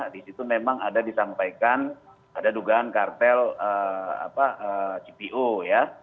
di situ memang ada disampaikan ada dugaan kartel cpo ya